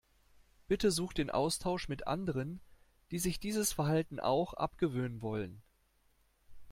Bitte such den Austausch mit anderen, die sich dieses Verhalten auch abgewöhnen wollen.